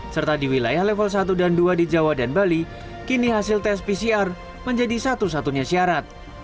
serta di wilayah level satu dan dua di jawa dan bali kini hasil tes pcr menjadi satu satunya syarat